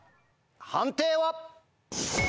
判定は。